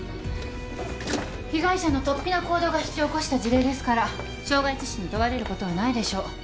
被害者のとっぴな行動が引き起こした事例ですから傷害致死に問われることはないでしょう。